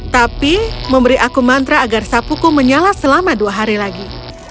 tapi memberi aku mantra agar sapuku menyala selama dua hari lagi